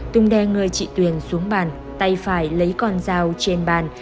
tùng đe người chị tuyền xuống bàn tay phải lấy con dao trên bàn